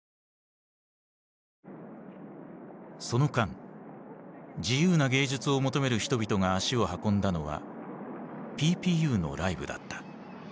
その間自由な芸術を求める人々が足を運んだのはＰＰＵのライブだった。